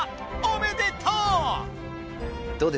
おめでとう！